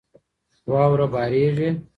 واوره بارېږي.